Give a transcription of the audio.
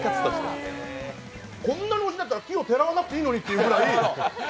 こんなにおいしいんだったら、奇をてらわなくてもいいのにというぐらい。